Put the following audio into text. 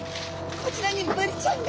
こちらにブリちゃんが！